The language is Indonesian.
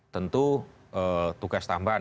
tentu tugas tambahan